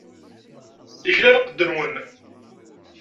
Ikna lqedd-nwen.